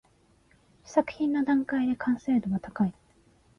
試作品の段階で完成度は高い